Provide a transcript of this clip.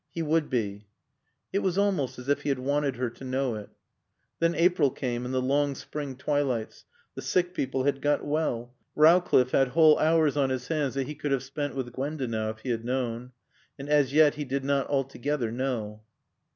He would be." It was almost as if he had wanted her to know it. Then April came and the long spring twilights. The sick people had got well. Rowcliffe had whole hours on his hands that he could have spent with Gwenda now, if he had known. And as yet he did not altogether know.